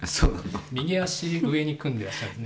右足を上に組んでいらっしゃる。